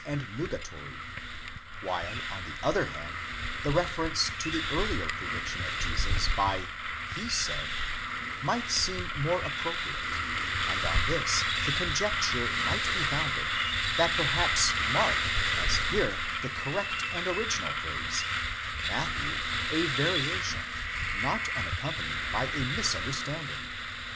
and nugatory; while on the other hand the reference to the earlier predic tion of Jesus by Ze said, εἶπεν, might seem more appropriate, and on this the conjecture might be founded that perhaps Mark has here the correct and original phrase, Matthew a variation not unaccompanied by a misunderstand ing.